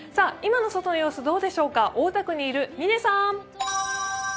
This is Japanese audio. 今の外の様子、どうでしょうか大田区にいる嶺さん。